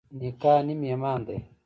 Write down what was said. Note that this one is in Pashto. نکاح نیم ایمان دی.